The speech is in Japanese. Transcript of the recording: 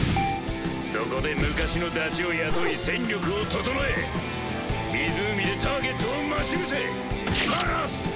そこで昔のダチを雇い戦力を調え湖でターゲットを待ち伏せ殺す！